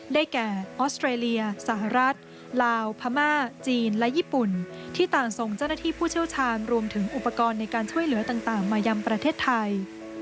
แก่ออสเตรเลียสหรัฐลาวพม่าจีนและญี่ปุ่นที่ต่างส่งเจ้าหน้าที่ผู้เชี่ยวชาญรวมถึงอุปกรณ์ในการช่วยเหลือต่างมายังประเทศไทย